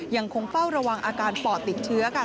ยังคงเฝ้าระวังอาการปอดติดเชื้อกัน